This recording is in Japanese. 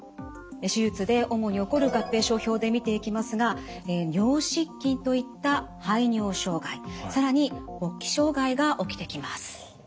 手術で主に起こる合併症表で見ていきますが尿失禁といった排尿障害更に勃起障害が起きてきます。